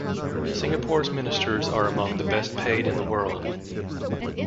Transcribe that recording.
Singapore's ministers are among the best paid in the world.